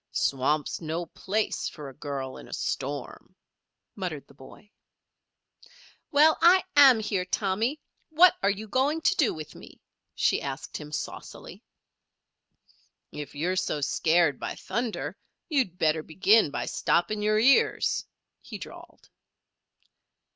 "Swamp's no place for a girl in a storm," muttered the boy. "Well, I am here, Tommy; what are you going to do with me?" she asked him, saucily. "If you're so scared by thunder you'd better begin by stopping your ears," he drawled.